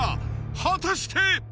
果たして！？